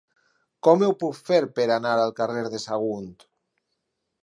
Com ho puc fer per anar al carrer de Sagunt?